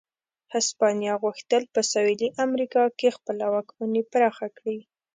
هسپانیا غوښتل په سوېلي امریکا کې خپله واکمني پراخه کړي.